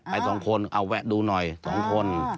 ไป๒คนเอาแวะดูหน่อย๒คน